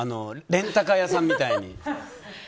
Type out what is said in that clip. レンタカー屋さんみたいに。